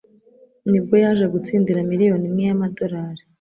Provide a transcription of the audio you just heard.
Nibwo yaje gutsindira miliyoni imwe y'amadolari.